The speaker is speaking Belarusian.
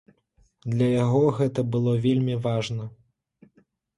Для яго гэта было вельмі важна.